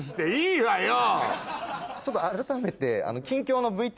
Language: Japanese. ちょっと改めて。